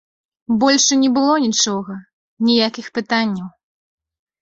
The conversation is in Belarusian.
Больш і не было нічога, ніякіх пытанняў.